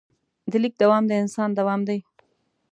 د لیک دوام د انسان دوام دی.